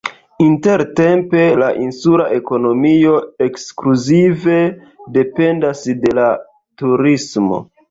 Intertempe la insula ekonomio ekskluzive dependas de la turismo.